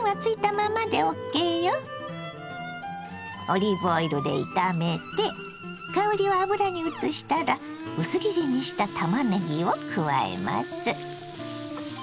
オリーブオイルで炒めて香りを油にうつしたら薄切りにしたたまねぎを加えます。